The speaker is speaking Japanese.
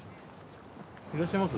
いらっしゃいます？